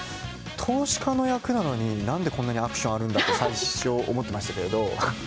投資家の役なのに何でこんなにアクションがあるんだ？って最初思っていましたけども。